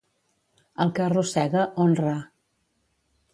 El que arrossega, honra.